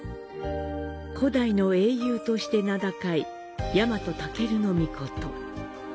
古代の英雄として名高い日本武尊。